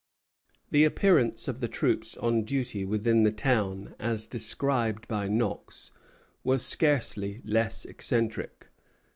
The appearance of the troops on duty within the town, as described by Knox, was scarcely less eccentric.